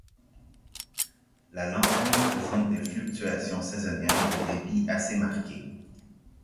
La Lanterne présente des fluctuations saisonnières de débit assez marquées.